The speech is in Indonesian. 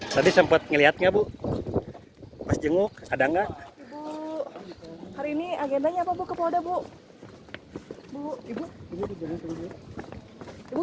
tadi sempet ngelihatnya bu mas jenguk ada enggak hari ini agendanya bu kemoda bu bu